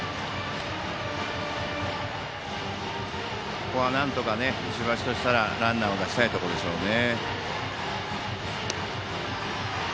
ここはなんとか石橋としたらランナーを出したいところですね。